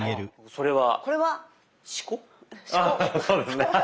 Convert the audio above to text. そうですね。